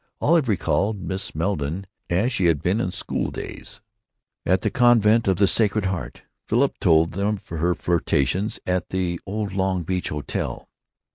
Olive recalled Miss Meldon as she had been in school days at the Convent of the Sacred Heart. Philip told of her flirtations at the old Long Beach Hotel.